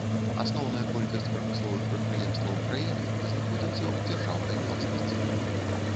Асноўная колькасць прамысловых прадпрыемстваў краіны знаходзіцца ў дзяржаўнай уласнасці.